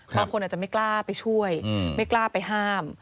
บางคนอาจจะไม่กล้าไปช่วยไม่กล้าไปห้าม